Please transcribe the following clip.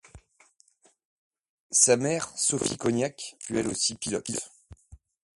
Sa mère Sophie Cognac fut elle aussi pilote.